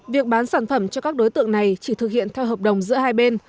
việc bán sản phẩm cho các đối tượng này chỉ thực hiện theo hợp đồng giữa hai bên